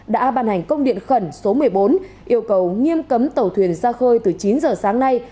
đã ban hành công điện khẩn số một mươi bốn yêu cầu nghiêm cấm tàu thuyền ra khơi từ chín giờ sáng nay